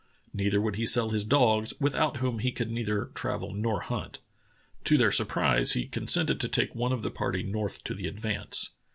Neither would he sell his dogs, without whom he could neither travel nor hunt. To their surprise he consented to take one of the party north to the Advance.